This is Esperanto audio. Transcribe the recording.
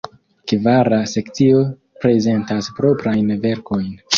Kvara sekcio prezentas proprajn verkojn.